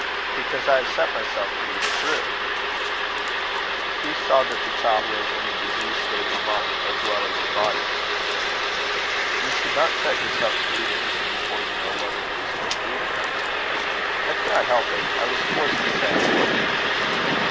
"Because I have set myself to read it through." Hugh saw that the child was in a diseased state of mind, as well as of body. "You should not set yourself to read anything, before you know whether it is worth reading." "I could not help it. I was forced to say I would."